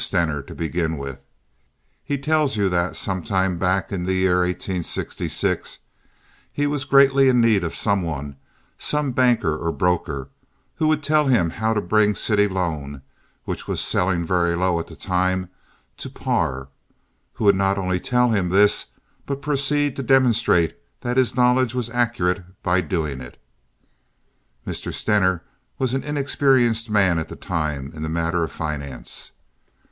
Stener, to begin with. He tells you that sometime back in the year 1866 he was greatly in need of some one, some banker or broker, who would tell him how to bring city loan, which was selling very low at the time, to par—who would not only tell him this, but proceed to demonstrate that his knowledge was accurate by doing it. Mr. Stener was an inexperienced man at the time in the matter of finance.